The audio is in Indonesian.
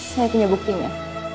saya punya buktinya